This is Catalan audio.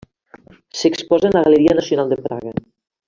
S'exposa en la Galeria Nacional de Praga.